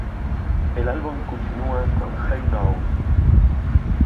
El álbum continua con "Hey Now".